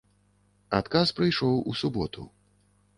Адказ прыйшоў у суботу.